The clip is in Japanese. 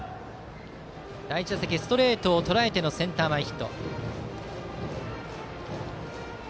第１打席、ストレートをとらえてセンター前ヒット。